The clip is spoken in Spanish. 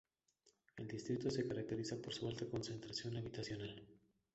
El distrito se caracteriza por su alta concentración habitacional.